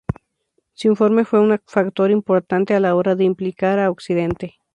Su informe fue un factor importante a la hora de implicar a Occidente.